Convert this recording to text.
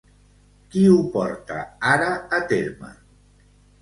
Qui ho porta ara a terme?